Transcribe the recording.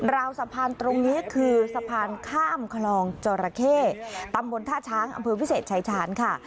ราวสะพานตรงนี้คือสะพานข้ามคลองจอราเข้ตำบลท่าช้างอำเภอวิเศษชายชาญค่ะ